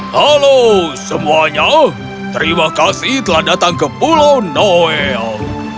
halo semuanya terima kasih telah datang ke pulau noel